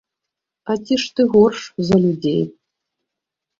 А ці ж ты горш за людзей?